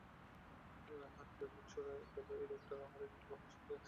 হানিফা ক্ষীণ স্বরে বলল, এই লোকটা একটা লোহার শিক লইয়া আমারে মারতে আইছিল।